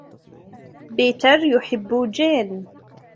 بيتر يحب جين.